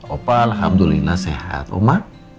opa alhamdulillah sehat oma